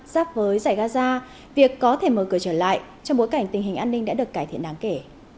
giáp với giải gaza việc có thể mở cửa trở lại trong bối cảnh tình hình an ninh đã được cải thiện đáng kể